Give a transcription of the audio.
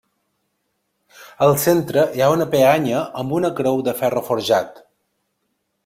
Al centre hi ha una peanya amb una creu de ferro forjat.